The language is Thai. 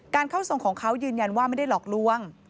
เข้าทรงของเขายืนยันว่าไม่ได้หลอกลวง